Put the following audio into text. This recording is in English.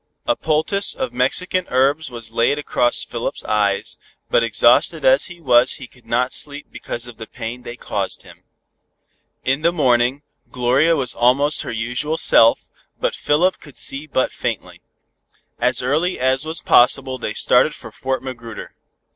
A poultice of Mexican herbs was laid across Philip's eyes, but exhausted as he was he could not sleep because of the pain they caused him. In the morning, Gloria was almost her usual self, but Philip could see but faintly. As early as was possible they started for Fort Magruder.